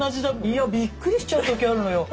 いやびっくりしちゃう時あるのよ。